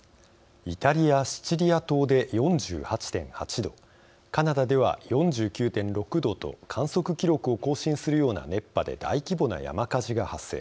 イタリア・シチリア島で４８．８度カナダでは４９．６度と観測記録を更新するような熱波で大規模な山火事が発生。